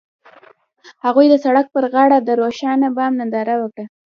هغوی د سړک پر غاړه د روښانه بام ننداره وکړه.